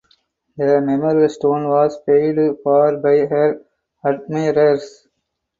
The memorial stone was paid for by her admirers.